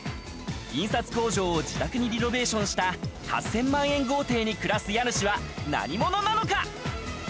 印刷工場を自宅にリノベーションした８０００万円豪邸に暮らす家主は何者なのか？